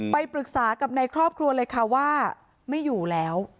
ไปปรึกษากับในครอบครัวเลยค่ะว่าไม่อยู่แล้ว